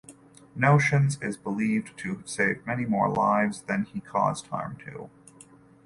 Notions is believed to have saved many more lives than he caused harm to.